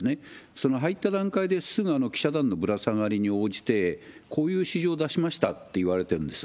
その入った段階で、すぐ記者団のぶら下がりに応じて、こういう指示を出しましたって言われてるんです。